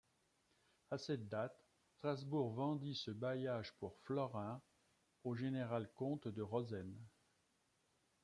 À cette date, Strasbourg vendit ce bailliage pour florins au général comte de Rosen.